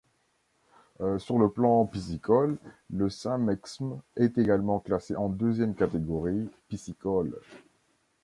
Sur le plan piscicole, le Saint-Mexme est également classé en deuxième catégorie piscicole.